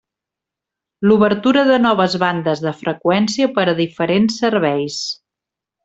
L'obertura de noves bandes de freqüència per a diferents serveis.